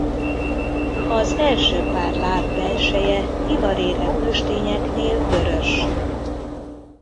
Az első pár láb belseje ivarérett nőstényeknél vörös.